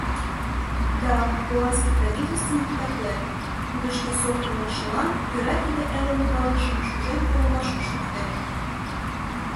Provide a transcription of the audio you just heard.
— Да, голландский правительствым титаклем, кудо шке сокырлыкшылан кӧра тиде элын калыкшым шужен колымашке шуктен.